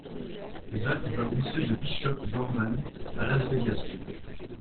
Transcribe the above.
Zach va au lycée de Bishop Gorman à Las Vegas.